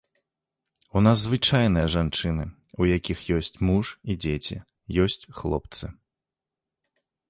У нас звычайныя жанчыны, у якіх ёсць муж і дзеці, есць хлопцы.